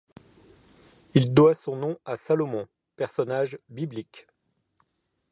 Il doit son nom à Salomon, personnage biblique.